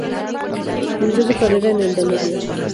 Inició su carrera en el Danubio.